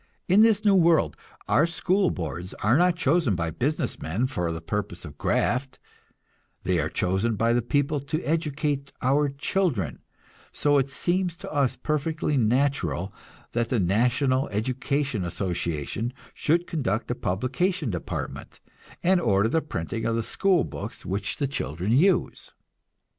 In this new world our school boards are not chosen by business men for purposes of graft, they are chosen by the people to educate our children; so it seems to us perfectly natural that the National Educational Association should conduct a publication department, and order the printing of the school books which the children use.